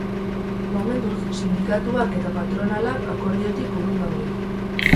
Momentuz, sindikatuak eta patronala akordiotik urrun daude.